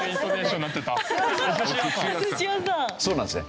そうなんですね。